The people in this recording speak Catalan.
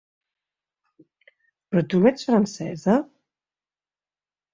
Però tu no ets francesa?